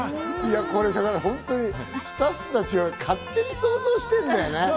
これ、だから本当にスタッフたちは勝手に想像してんだよね。